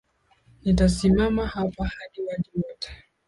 Nitasimama hapa hadi waje wote.